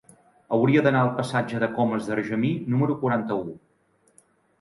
Hauria d'anar al passatge de Comas d'Argemí número quaranta-u.